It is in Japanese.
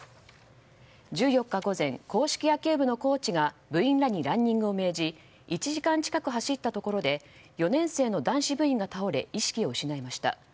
１４日午前硬式野球部のコーチが部員らにランニングを命じ１時間近く走ったところで４年生の男子部員が倒れ意識を失いました。